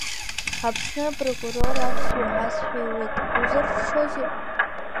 Аԥсны апрокурор аԥсшәа иҳәазшәа иуит, узырччозеи?